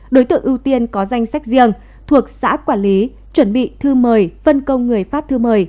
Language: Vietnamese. đối tượng ưu tiên có danh sách riêng thuộc xã quản lý chuẩn bị thư mời phân công người phát thư mời